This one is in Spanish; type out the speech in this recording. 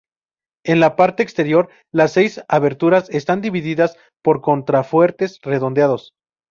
En la parte exterior, las seis aberturas están divididas por contrafuertes redondeados.